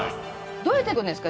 どうやって届くんですか？